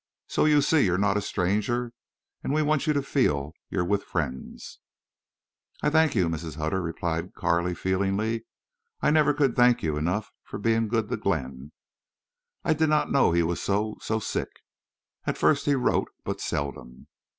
So you see you're not a stranger. An' we want you to feel you're with friends." "I thank you, Mrs. Hutter," replied Carley, feelingly. "I never could thank you enough for being good to Glenn. I did not know he was so—so sick. At first he wrote but seldom."